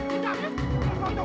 ketar ketar dia